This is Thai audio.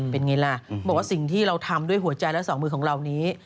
เป็นไงล่ะบอกว่าสิ่งที่เราทำด้วยหัวใจและสองมือของเรานี้